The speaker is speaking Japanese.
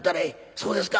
「そうですか。